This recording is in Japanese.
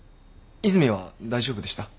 和泉は大丈夫でした？